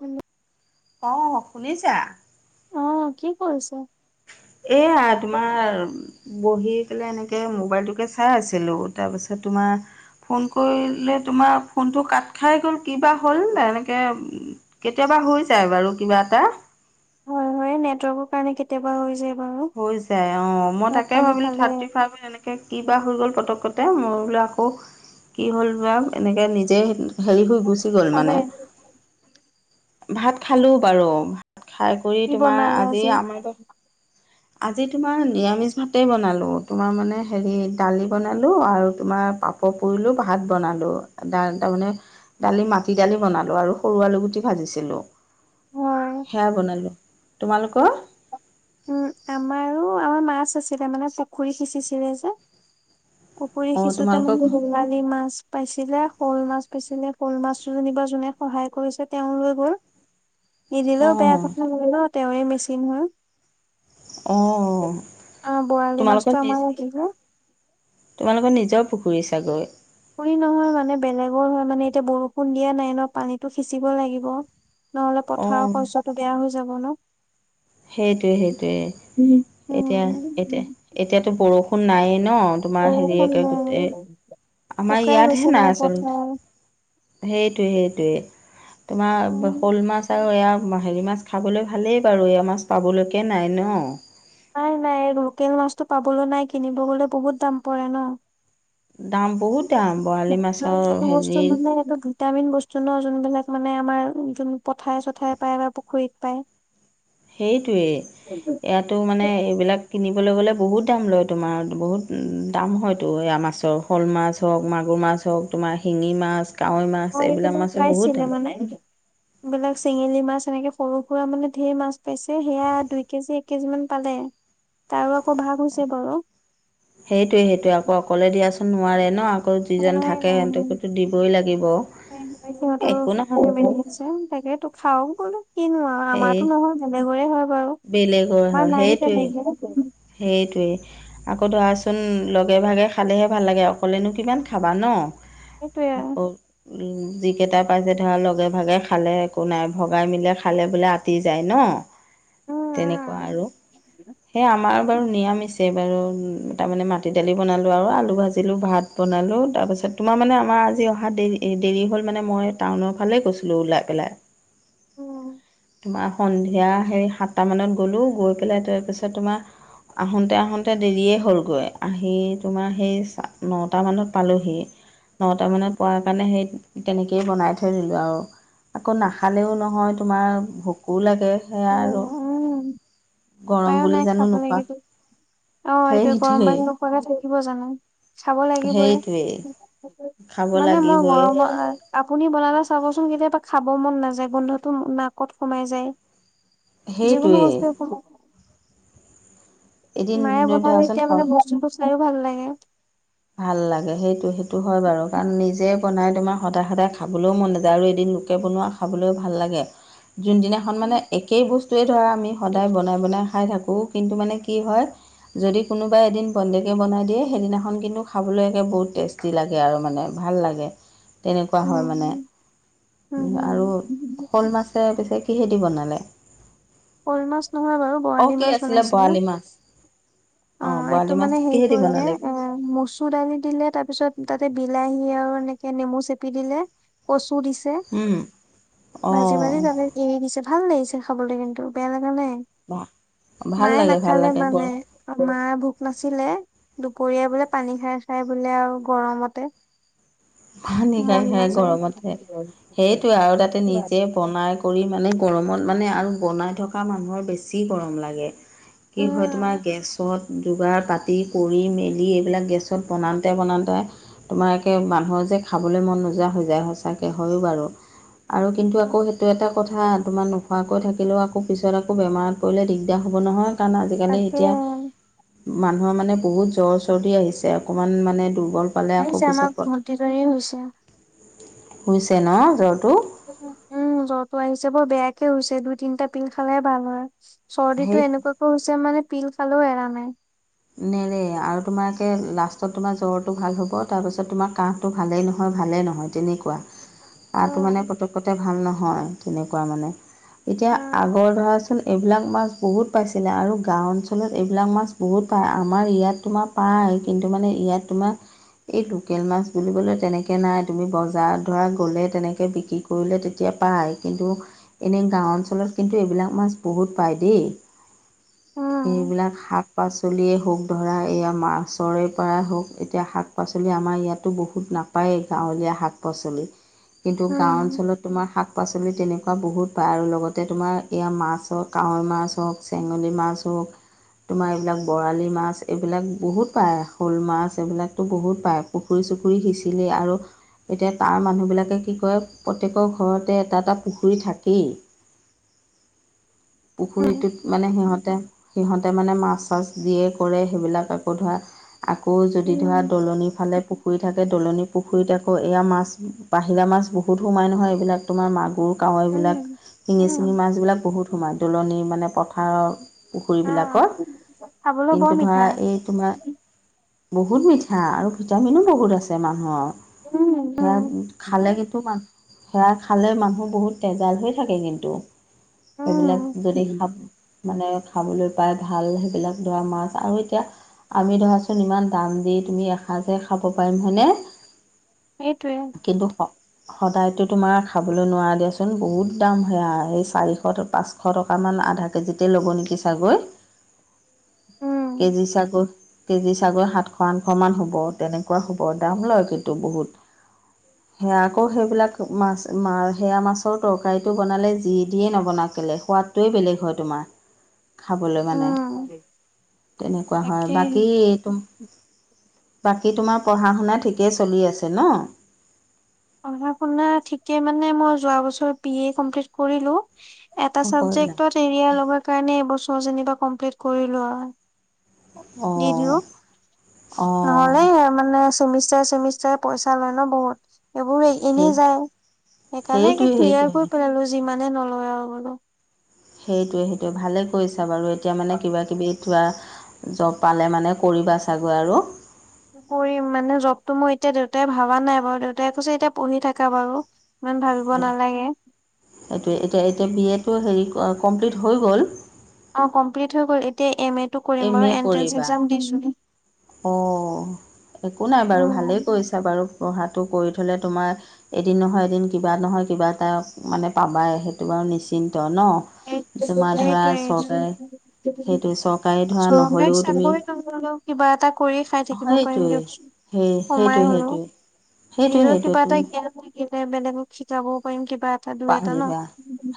Hello, hello অ শুনিছা? অ কি কৰিছে? এয়া তোমাৰ বহি পেলাই এনেকে মোবাইলটোকে চ চাই আছিলোঁ। তাৰপিছত তোমাৰ ফোন কৰিলে তোমাৰ ফোনটো কাট খাই গ'ল কিবা হ'ল এনেকৈ কেতিয়াবা হৈ যায় বাৰু কিবা এটা। হয়, হয় নেটৱৰ্কৰ কাৰণে কেতিয়াবা হৈ যায়। বাৰু। হৈ যায় অ, মই ভাত তাকে পানী ভাবিলো খালে? থাৰ্টি ফাইভত এনেকে কিবা হৈ গ'ল পতকক মই বোলে আকৌ কি হ'ল বো এনেকে নিজে হেৰি হৈ গুচি গ'ল মানে, খালে। ভাত খালোঁ বাৰু, ভাত কৰি কি তোমাৰ বনালে আজি আমা আজি তোমাৰ নিৰামিষ ভাতেই বনালোঁ তোমাৰ মানে হেৰি দালি বনালোঁ আৰু তোমাৰ পাপ পৰ, পৰিলোঁ ভাত বনালোঁ, দা তাৰমানে দালি, মাটি দালি বনালো আৰু সৰু আলু গুটি ভাজিছিলো। হয়। সেয়া বনালোঁ, তোমালোকৰ? উম, আমাৰো, আমাৰ মাছ আছিলে মানে পুখুৰী সিঁচিছিলে যে। পুখুৰী অঁ সিঁচোতে তোমালোকৰ মানে বৰালি মাছ পাইছিলে শ'ল মাছ পাইছিলে শ'ল মাছ যেনিবা যোনে সহায় কৰিছে তেওঁও লৈ গ'ল। নিদিলেও বেয়া অঁ কথা হ'ল ন তেৱেঁই মেচিন হ'ল। অঁ অ, বৰালি তোমালোকৰ মাছতটো নিজ আমাৰ ৰাখিলে। তোমালোকৰ নিজৰ পুখুৰী চাগৈ। খুৰি নহয় মানে বেলেগৰ হয় মানে এতিয়া বৰষুণ দিয়া নাই ন পানীতটো সিচিব লাগিব। নহলে পথাৰৰ অঁ শস্যটো বেয়া হৈ যাব ন। সেইটোৱে সেইটোৱে, উম, এতিয়া, এতিয়া, এতিয়াতো বৰষুণ নায়েই ন। তোমাৰ বৰষুণ হেৰিয়েকে গোটেই, নাই। আমাৰ শুকাই ইয়াতহে গৈছে মানে নাই আচলতে। পথাৰ সেইটোৱে, সেইটোৱে, তোমাৰ উম, শ'ল মাছ আৰু এয়া হেৰি মাছ খাবলৈ ভালেই বাৰু এয়া মাছ পাবলৈকে নাই ন। নাই, নাই লোকেল মাছতটো পাবলৈ নাই কিনিব গলে বহুত দাম পৰে ন। দাম বহুত দাম বৰালি মাছৰ [inaudible] হেৰি ভিটামিন বস্তু ন যোনবিলাক মানে আমাৰ যোন পথাৰে-চথাৰে পায় বা পুখুৰীত পায়। সেইটোৱেই, ইয়াত এইটো মানে এইবিলাক কিনিবলৈ গ'লে বহুত দাম লয় তোমাৰ বহুত দাম হয়তো এয়া মাছৰ। শ'ল মাছ হওক, মাগুৰ মাছ হওক, তোমাৰ শিঙি মাছ, কাৱৈ মাছ অ', এইবিলাক মাছেই বহুত দাম। [inaudible] বিলাক চেঙেলী মাছ এনেকে সৰু-সুৰা মানে ঢেৰ মাছ পাইছে সেয়া দুই কেজি এক কেজি মান পালে। তাৰো আকৌ ভাগ হৈছে বাৰু। সেইটোৱে, সেইটোৱে আকৌ অকলে দিয়াচোন নোৱাৰে ন। আকৌ যি জন নাই থাকে নাই সিহঁতকতো দিবই লাগিব। একো নহয় [unintelligible] তাকে, তোক খাও গলো কিনো আৰু সেই আমাৰতো নহয় বেলেগৰে হয় বাৰু, বেলেগৰ আমাৰ হয় নাই তেনেকে। [inaudible] সেইটোৱে। আকৌ ধৰাচোন লগে-ভাগে খালেহে ভাল লাগে অকলেনো কিমান খাবা ন। সেইটোৱে আৰু [inaudible] উম, যিকেইটা পাইছে ধৰা লগে-ভাগে খালে একো নাই ভগাই মিলে খালে বোলে আ [unintelligible] যায় ন, উম তেনেকুৱা উম আৰু। [inaudible] সেইয়া আমাৰ তাকে বাৰু নিৰামিছে বাৰু তাৰমানে মাটি দালি বনালোঁ আৰু আলু ভাজিলোঁ, ভাত বনালোঁ তাৰপিছত তোমাৰ মানে আমাৰ আজি অহা দেৰি এই দেৰি হ'ল মানে মই টাউনৰ ফালে গৈছিলোঁ ওলাই পেলাই। তোমাৰ সন্ধিয়া হেৰি সাতটামানত গ'লোঁ গৈ পেলাই তাৰপিছত তোমাৰ আহোঁতে-আহোঁতে দেৰিয়ে হ'লগৈ, আহি তোমাৰ সেই চা নটামানত পালোঁহি। নটা মানত পোৱাৰ কাৰণে সেই তেনেকেই বনাই থৈ দিলো আৰু। আকৌ নাখালেও নহয় তোমাৰ ভোকো লাগে। সেয়া আৰু, উম গৰম উপায়ো বুলি নাই জানো চাব নোখোৱা লাগিব, অ' এইটোয়ে গৰম সেইটোৱেই পানী নোখোৱাকে থাকিব জানো। খাব লাগিবই, সেইটোৱেই খাব মানে মই লাগিবই গৰমৰ আপুনি বনালে চাবচোন কেতিয়াবা খাব মন নাযায় গোন্ধটো নাকত সোমাই যায়। যিকোনো সেইটোৱেই বস্তু এদিন মায়ে বনালে এতিয়া মানে ধৰাচোন বস্তুটো চাইও ভাল লাগে। ভাল লাগে সেইটো সেইটো হয় বাৰু কাৰণ নিজে বনাই তোমাৰ সদায় সদায় খাবলৈও মন নাযায়, আৰু এদিন লোকে বনোৱা‌ খাবলৈও ভাল লাগে। যোনদিনাখন মানে একেই বস্তুৱেই ধৰা আমি সদায় বনাই বনাই খাই থাকোঁ কিন্তু মানে কি হয়, যদি কোনোবাই এদিন বন্দেকে বনাই দিয়ে সেইদিনাখন কিন্তু খাবলৈ বহুত টেষ্টি লাগে আৰু মানে ভাল লাগে। তেনেকুৱা হয় উম মানে, উম হম আৰু শ'ল মাছে বেছ কিহেদি বনালে? ক'ল মাছ নহয় বাৰু অ' বৰালি কি মাছ আছিলে বনাইছিলে। বৰালি মাছ অ' বৰালি এইটো মাছ মানে হেৰি কিহেদি কৰিলে বনালে মচুৰ দালি দিলে তাৰপিছত তাতে বিলাহী আৰু এনেকে নেমু চেপি দিলে। কচু দিছে, উম, ভাজি ভাজি অ' জালে এৰি দিছে, ভাল লাগিছে খাবলৈ কিন্তু বেয়া লগা নাই। ভাল মায়ে লাগে ভাল নাখালে লাগে মানে। গৰম আমাৰ ভোক নাছিলে, দুপৰীয়া বোলে পানী খাই খাই বোলে আৰু গৰমতে ভানী খাই মন খাই নাযায় গৰমতে, সেইটোৱে আৰু তাতে নিজে বনাই কৰি মানে গৰমত মানে আৰু বনাই থকা মানুহৰ বেছি গৰম লাগে। কি হয় তোমাৰ উম গেছত যোগাৰ পাতি কৰি মেলি এইবিলাক গেছত বনাওঁতে বনাওঁতে তোমাকে মানুহৰ যে খাবলৈ মন নোযোৱা হৈ যায় সঁচাকে, হয়ো বাৰু। আৰু কিন্তু আকৌ সেইটো এটা কথা তোমাৰ নোখোৱাকৈ থাকিলেও আকৌ পিছত আকৌ বেমাৰত পৰিলে দিগদাৰ হ'ব নহয় কাৰণ আজিকালি তাকে এতিয়া মানুহৰ মানে বহুত জ্বৰ চৰ্দি আহিছে অকমান মানে দুৰ্বল পালে আকৌ আহিছে, আমাক পিছত ভৰ্তি কৰি হৈছে। ুছে ন জ্বৰটো। উম, জ্বৰটো আহিছে বৰ বেয়াকে হৈছে দুই তিনটা পিল খালে ভাল হয়। চৰ্দি টো সেই এনেকুৱাকো হৈছে মানে পিল খালেও এৰা নাই। নেৰে, আৰু তোমাকে লাষ্টত তোমাৰ জ্বৰটো ভাল হ'ব। তাৰপাছত তোমাৰ কাহটো ভালেই নহয়, ভালেই নহয়। তেনেকুৱা, তটো মানে উম পতকতে ভাল নহয় তেনেকুৱা মানে। এতিয়া উম আগৰ ধৰাচোন এইবিলাক মাছ বহুত পাইছিলে আৰু গাঁও অঞ্চলত এইবিলাক মাছ বহুত পায় আমাৰ ইয়াত তোমাৰ পায় কিন্তু মানে ইয়াত তোমাৰ এই লোকেল মাছ বুলিবলৈ তেনেকৈ নাই তুমি বজাৰত ধৰা গ'লে তেনেকৈ বিক্ৰী কৰিলে তেতিয়া পায় কিন্তু এনেই গাঁও অঞ্চলত কিন্তু এইবিলাক মাছ বহুত পায় দেই। উম এইবিলাক শাক পাচ পাচলিয়েই হওক ধৰা এয়া মাছৰে পৰাই হওক এতিয়া শাক পাচলি আমাৰ ইয়াতো বহুত নাপ পায়, গাঁৱলীয়া শাক পাচলি কিন্তু গাঁও উম অঞ্চলত তোমাৰ শাক পাচলি তেনেকুৱা বহুত আৰু লগতে তোমাৰ এয়া মাছ হওক কাৱৈ মাছ হওক চেঙনী মাছ হওক। তোমাৰ এইবিলাক বৰালি মাছ এইবিলাক বহুত পায় শ'ল মাছ এইবিলাকতো বহুত পায়। পুখুৰী চুখুৰী সিঁচিলে আৰু এতিয়া তাৰ মানুহবিলাকে কি কয় প্ৰত্যেকৰ ঘৰতে এটা এটা পুখুৰী থাকেই। উম পুখুৰীটোত মানে সিহঁতে, সিহঁতে মানে মাছ মাছ যিয়ে কৰে সেইবিলাক আকৌ ধৰা আকৌ যদি ধৰা উম দলনিৰ ফালে পুখুৰী থাকে দলনি পুখ পুখুৰীত আকৌ এয়া মাছ বাহিৰা মাছ বহুত সোমাই নহয়, এইবিলাক তোমাৰ মাগুৰ। কায়ৈ এইবিলাক উম শিঙি উম, চিঙি মাছবিলাক বহুত সোমায় দলনি মানে পথাৰৰ। পুখুৰীবিলাকৰ অ'। কিন্তু ধৰা এই তোমাৰ বহুত মিঠা আৰু ভিটামিনো বহুত আছে মানুহৰ। উম উম সেয়া খালে কিন্তু মান সেয়া খালে মানুহ বহুত তেজাল হৈ থাকে কিন্তু। উম সেইবিলাক যদি খাব মানে খাবলৈ পায় ভাল সেইবিলাক ধৰা মাছ আৰু এতিয়া। আমি ধৰাচোন ইমান দাম দি তুমি এসাঁজে খাব পাৰিম হয়নে। সেইটোৱে। কিন্তু স সদায়তো তোমাৰ খাবলৈ নোৱাৰা দিয়াচোন বহুত দাম সেয়া সেই চাৰিশ টকা পাঁচশ। শ টকামান আধা কেজিতে ল'ব নেকি চাগৈ। উম কেজি চাগৈ কেজি ছাগৈ সাতশ, আঠশ মান হ'ব তেনেকুৱা হ'ব দাম লয় কিন্তু বহুত। [inaudible] সেয়া আকৌ সেইবিলাক মাছ মা সেয়া মাছৰ তৰকাৰীটো বনালে যি দিয়ে নবনা কেলে সোৱাদ। টোৱেই বেলেগ হয় তোমাৰ খাবলৈ মানে। উম। তেনেকুৱা হয় তাকেই বাকী এইটো। বাকী তোমাৰ পঢ়া শুনা ঠিকেই চলি আছে ন? পঢ়া শুনা ঠিকে মানে মই যোৱা বছৰ বি এ কমপ্লিট কৰিলো। এটা চাবজেক্টত এৰিয়াৰ লগাৰ কাৰণে এবছৰ যেনিবা কমপ্লিট কৰিলো আৰু। দি অ' দিওঁ অ' নহলে। মানে চেমিষ্টাৰে, চেমিষ্টাৰে পইচা লয় ন বহুত। এইবোৰ এনেই সেই যায় সেইকাৰণে সেইটোৱে ক্লিয়াৰ সেইটোৱে কৰি পেলালো যিমানে নলয় আৰু বোলো। সেইটোৱে, সেইটোৱে ভালেই কৰিছা বাৰু এতিয়া মানে কিবা কিবি কিবা জব পালে মানে কৰিবা চাগৈ আৰু। কৰিম মানে জবটো মই এতিয়া দেউতাই ভাবা নাই বাৰু দেউতাই কৈছে এতিয়া পঢ়ি থাকা বাৰু। ইমান ভাবিব নালাগে। সেইটো এতিয়া এতিয়া বি এটো হেৰি কমপ্লিট হৈ গ'ল? অ', কমপ্লিট হৈ গ'ল এতিয়া এম এটো কৰিম এম বাৰু এন্ট্ৰেন্ঞ্চ একজাম দিছো। অ', একো নাই বাৰু উম ভালেই কৰিছা বাৰু পঢ়াটো কৰি থ'লে তোমাৰ এদিন নহয় এদিন কিবা নহয় কিবা এটা মানে পাবাই সেইটো বাৰু নিশ্চিন্ত ন। তোমাৰ ধৰা সেইটোৱে চৰকাৰে সেইটো চৰকাৰী ধৰা নহ'লেও তুমি। ৰিলেও কিবা এটা কৰি। খাই থাকিব পাৰিম সেইটোৱে দিয়কচোন সেই সোমাই সেইটোৱে হলেও সেইটোৱে সেইটোৱে নিজৰ সেইটোৱে কিবা এটা তুমি জ্ঞান। লে বেলেগক শিকাবও পাৰিম কিবা। এটা দুই এটা পাৰিবা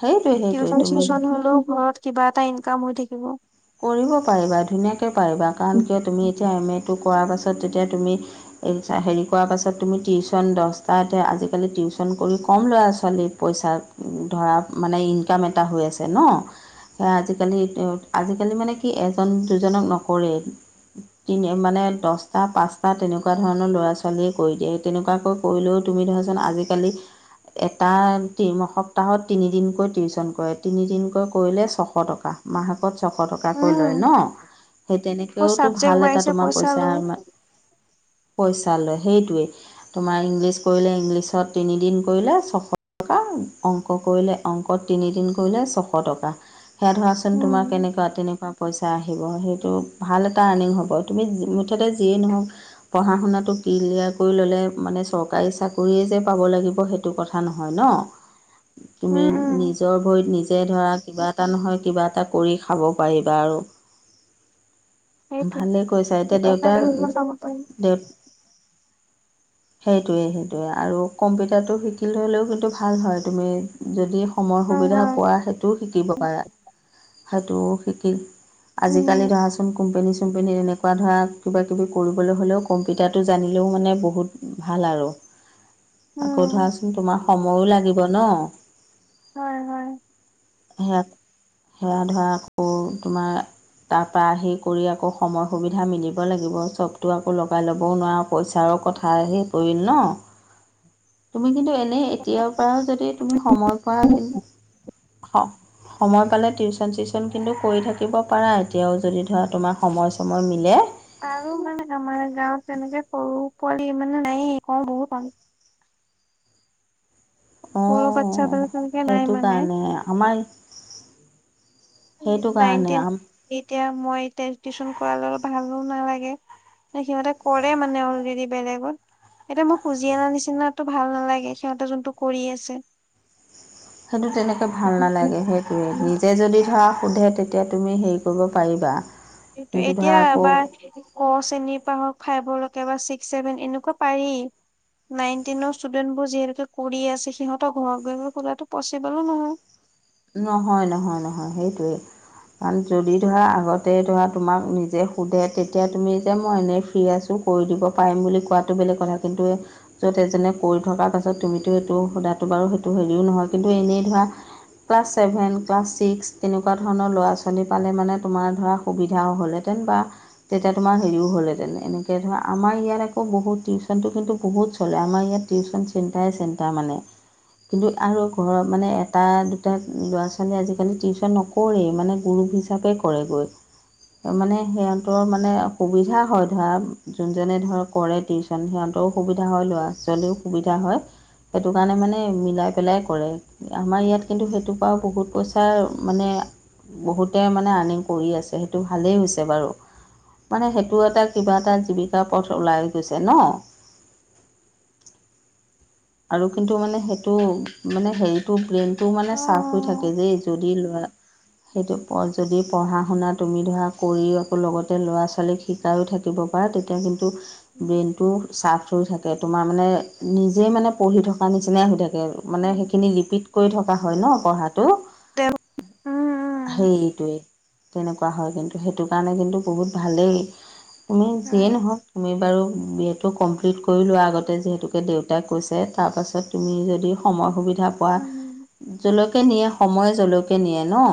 সেইটোৱে, সেইটো টিউচন ন হলেও ঘৰত কিবা এটা ইনকাম হৈ থাকিব। কৰিব পাৰিবা ধুনীয়াকৈ পাৰিবা কাৰণ কিয় তুমি এতিয়া এম এটো কৰাৰ পাছত তেতিয়া তুমি এই হেৰি কৰাৰ পাছত তুমি টিউশচন দছটাতে আজিকালি টিউচন কৰি ক'ম ল'ৰা ছোৱালী। পইচা ধৰা মানে ইনকাম এটা হৈ আছে ন সেয়া আজিকালি। আজিকালি মানে কি এজন দুজনক নকৰে তিনি মানে দহটা, পাঁচ বা তেনেকুৱা ধৰণৰ ল'ৰা ছোৱালীয়ে কৰি দিয়ে, তেনেকুৱাকৈ কৰিলেও তুমি ধৰাচোন আজিকালি এটা সপ্তাহত তিনিদিনকৈ টিউচন কৰে তিনিদিনকৈ কৰিলে ছশ টকা। টা মাহেকত ছশ টকা। কৈ লয় উম ন সেই আকৌ তেনেকেও টো চাবজেক্ট ভাল এটা ৱাইজে তোমাৰ পইচা। লয় পইচা লয় সেইটোৱেই তোমাৰ ইংলিছ কৰিলে ইংলিছত তিনিদিন কৰিলে ছশ টকা। অংক কৰিলে অংকত তিনিদিন কৰিলে ছশ টকা সেয়া ধৰাচোন তোমাক উম কেনেকুৱা তেনেকুৱা পইচা আহিব সেইটো ভাল এটা আৰ্নিং হ'ব তুমি মুঠতে যিয়েই নহওক। পঢ়া শুনাটো ক্লিয়াৰ কৰি ল'লে মানে চৰকাৰী চাকৰিয়ে যে পাব লাগিব সেইটো কথা নহয় ন। তুমি উম উম নিজৰ ভৰিত নিজে ধৰা কিবা এটা নহয় কিবা এটা কৰি খাব পাৰিবা আৰু। সেইটোৱে ভালেই কৈছা এতিয়া কিবা এটা কৰিব চাব পাৰিম দেউতা-দেউ সেইটোৱে-সেইটোৱে, আৰু কম্পিউটাৰটো শিকি থ'লেও কিন্তু ভাল হয়। তুমি যদি সময় হয় সুবিধা হয় পোৱা, সেইটোও শিকিব পাৰে। [unintelligible] টো শিকি, আজি উম কালি ধৰাচোন কোম্পেনি ছো কোম্পেনীত এনেকুৱা ধৰা, কিবা, কিবি কৰিবলৈ হ'লেও কম্পিউটাৰটো জানিলেও মানে বহুত ভাল আৰু। উম আকৌ ধৰাচোন তোমাৰ সময়ো লাগিব ন। হয়, হয়। হে সেৱা ধৱা আকৌ তোমাৰ তাৰপৰা আহি কৰি আকৌ সময় সুবিধা মিলিব লাগিব, চবটো আকৌ লগাই ল'বও নোৱাৰ পইচাৰো কথা আহি পৰিল ন। তুমি কিন্তু এল নে, তেতিয়াৰ পৰাও যদি তুমি সময় পোৱা কিন, অ, সময় পালে টিউচন-চিউচন কিন্তু কৰি থাকিব পাৰা এতিয়াও যদি ধৰা তোমাক সময়-চময় মিলে। পাৰো মানে আমাৰ গাঁৱত তেনেকে সৰু পোৱালি মানে নায়ে কম বহুত কম। অ, সৰু বাচ্ছা বিলাক তেনেকে নাই সেইটো মানে কাৰণে, আমাৰ সেইটো কাৰণে নাইনটেন, আম এতিয়া মই এতিয়া টিউচন কৰা লৰা ভালো নালাগে। এ, সিহঁতে কৰে মানে অলৰেডি। বেলেগত, এতিয়া মোক খুজি অনা নিচিনাটো ভাল নালাগে সিহঁতে যোনটো কৰি আছে। সেইটো তেনেকে ভাল নালাগে সেইটোৱে। নিজে যদি ধৰা সোধে তেত তিয়া তুমি হেৰি কৰিব পাৰিবা। কিন্তু এতিয়া ধৰা আকৌ এবাৰ ক, চেনীৰ পৰা হক, ফাইভলেকে বা ছিক্স ছেভেন এনেকুৱা পাৰি। নাইন টেনৰ ষ্টুডেন্ট বোৰ যিহেতু কৰি আছে সিহঁতৰ ঘৰ গৈ মই খুজাটো পচিবলো নহয়। নহয়-নহয়-নহয়, সেইটোৱে। কাৰণ যদি ধৰা আগতে ধৰা তোমাক নিজে সোধে, তেতিয়া তুমি যে মই এনেই ফ্ৰী আছোঁ। কৰি দিব পাৰিম বুলি কোৱাটো বেলেগ কথা, কিন্তু এ য'ত এজনে কৰি থকাৰ পাছত তুমিতো এইটো সোধাটো বাৰু সেইটো হেৰিও নহয়, কিন্তু এনেই ধৰা ক্লাছ ছেভেন, ক্লাছ ছিক্স তেনেকুৱা ধৰণৰ ল'ৰা-ছোৱালী পালে মানে তোমাৰ ধৰা সুবিধাও হ'লহেঁতেন বা তেতিয়া তোমাৰ হেৰিও হ'ল হেতেনে এনেকে ধৰা আমাৰ ইয়াত আকৌ বহুত টিউচনটো কিন্তু বহুত চলে, আমাৰ ইয়াত টিউচন চিন্তাই চিন্তা মানে, কিন্তু আৰু ঘৰত মানে এটা, দু তাত, ল'ৰা-ছোৱালীয়ে আজিকালি টিউচন নকৰেই মানে গুৰুপ হিচাপে কৰে গৈ। মানে সিহঁতৰ মানে সুবিধা হয়, ধৰা যোনজনে ধৰ কৰেটি কণ সিহঁতৰো সুবিধা হয়, ল'ৰা-ছোৱালীও সুবিধা হয়। সেইটো কাৰণে মানে মিলাই পেলাই কৰে। আমাৰ ইয়াত কিন্তু সেইটোৰ পৰাও বহুত পইচাৰ মানে বহুতে মানে আৰ্নিং কৰি আছে, সেইটো ভালেই হৈছে বাৰু। মানে সেইটো এটা কিবা এটা জীৱিকাৰ পথ ওলাই গৈছে ন। আৰু কিন্তু মানে সেইটো মানে হেৰিটো ব্ৰেইনটো মানে চাৰ্প হৈ থাকে, যে যদি ল'ৰা সেইটো প-যদি পঢ়া শুনা তুমি ধৰা কৰিও আকৌ লগতে ল'ৰা-ছোৱালীক শিকায়ো থাক থাকিব পাৰে তেতিয়া কিন্তু ব্ৰেইনটো চাৰ্ফট হৈ থাকে, তোমাৰ মানে নিজেই মানে পঢ়ি থকা নিচিনাই হৈ থাকে, মানে অ'। সেইখিনি ৰিপিট কৰি থকা হয় ন পঢ়াটো। তে সেইটোৱেই। তেনেকুৱা হয় কিন্তু, সেইটো কাৰণে কিন্তু বহুত ভালেই। তুমি যিয়েই নহওক তুমি বাৰু বি এ টো কমপ্লিট কৰি লোৱা আগতে, যিহেতুকে দেউতাই কৈছে। তাৰপাছত তুমি যদি সময় সুবিধা পোৱা যলৈকে নিয়ে সময়ে জলৈকে নিয়ে ন।